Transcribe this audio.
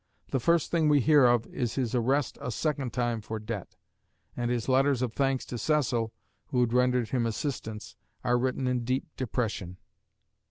The first thing we hear of is his arrest a second time for debt; and his letters of thanks to Cecil, who had rendered him assistance, are written in deep depression.